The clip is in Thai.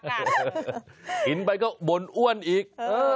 กินไปก็บ่นอ้วนอีก